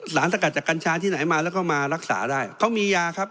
สกัดจากกัญชาที่ไหนมาแล้วก็มารักษาได้เขามียาครับ